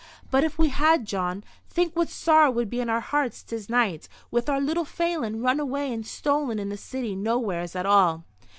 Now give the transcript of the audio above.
"But if we had, Jawn, think what sorrow would be in our hearts this night, with our little Phelan run away and stolen in the city nowheres at all."